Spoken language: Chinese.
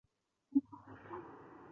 道光十四年出生。